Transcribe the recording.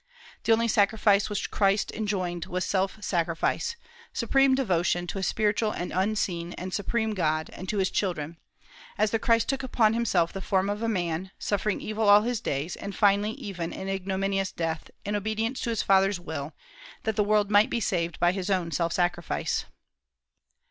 The only sacrifice which Christ enjoined was self sacrifice, supreme devotion to a spiritual and unseen and supreme God, and to his children: as the Christ took upon himself the form of a man, suffering evil all his days, and finally even an ignominious death, in obedience to his Father's will, that the world might be saved by his own self sacrifice.